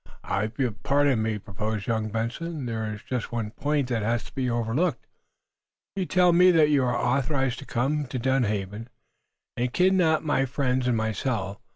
"I hope you'll pardon me," proposed young Benson. "There is just one point that has been overlooked. You tell me that you are authorized to come to Dunhaven and kidnap my friends and myself.